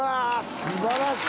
すばらしい！